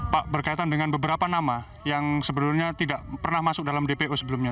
pak berkaitan dengan beberapa nama yang sebenarnya tidak pernah masuk dalam dpo sebelumnya